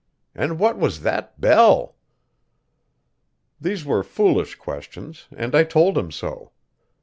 And what was that bell?" These were foolish questions, and I told him so.